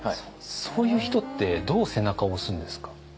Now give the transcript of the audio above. そういう人ってどう背中を押すんですか？